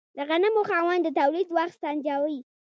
د غنمو خاوند د تولید وخت سنجوي.